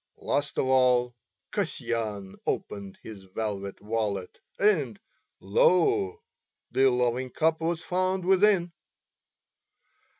Last of all Kasyan opened his velvet wallet and, lo! the loving cup was found within.